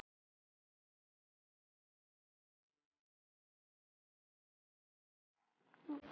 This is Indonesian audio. jatuh dari jurang